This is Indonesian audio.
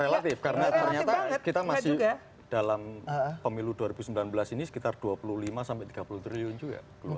relatif karena ternyata kita masih dalam pemilu dua ribu sembilan belas ini sekitar dua puluh lima sampai tiga puluh triliun juga